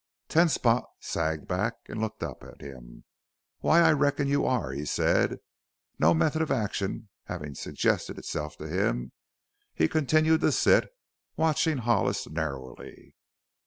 Ten Spot sagged back and looked up at him. "Why I reckon you are," he said. No method of action having suggested itself to him, he continued to sit, watching Hollis narrowly.